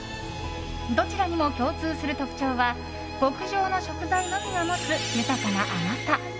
どちらにも共通する特徴は極上の食材のみが持つ豊かな甘さ。